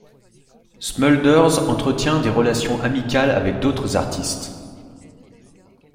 Smulders entretint des relations amicales avec d'autres artistes.